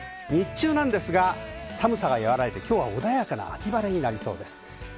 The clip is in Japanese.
そして日中なんですが、寒さが和らいで、きょうは穏やかな秋晴れになりそうです。